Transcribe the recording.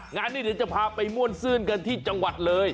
งานนี้เดี๋ยวจะพาไปม่วนซื่นกันที่จังหวัดเลย